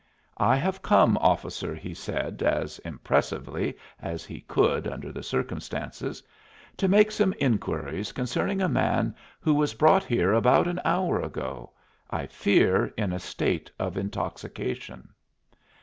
"I have come, officer," he said, as impressively as he could under the circumstances, "to make some inquiries concerning a man who was brought here about an hour ago I fear in a state of intoxication."